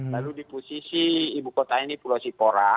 lalu di posisi ibu kota ini pulau sipora